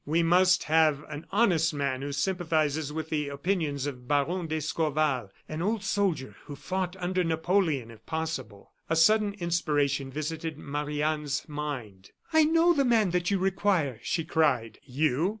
We must have an honest man who sympathizes with the opinions of Baron d'Escorval an old soldier who fought under Napoleon, if possible." A sudden inspiration visited Marie Anne's mind. "I know the man that you require!" she cried. "You?"